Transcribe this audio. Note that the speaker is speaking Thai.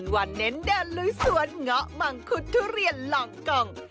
วันเน้นเดินลุยสวนเงาะมังคุดทุเรียนหล่องกล่อง